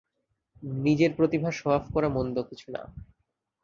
নিজের প্রতিভা শো-অফ করা মন্দ কিছু না।